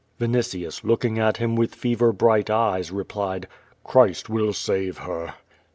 Vinitius, looking at him with fever bright eyes, replied: "Christ will save her."